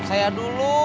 pur saya dulu